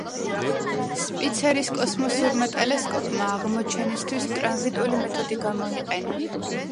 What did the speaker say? სპიცერის კოსმოსურმა ტელესკოპმა აღმოჩენისთვის ტრანზიტული მეთოდი გამოიყენა.